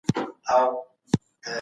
زه له سهاره کور پاکوم.